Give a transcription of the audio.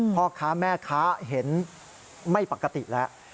พ่อค้าแม่ค้าเห็นไม่ปกติแล้ว